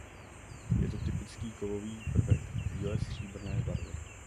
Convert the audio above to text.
Je to typický kovový prvek bíle stříbrné barvy.